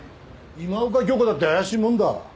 今岡鏡子だって怪しいもんだ。